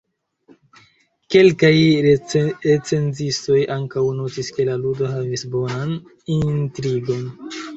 Kelkaj recenzistoj ankaŭ notis ke la ludo havis bonan intrigon.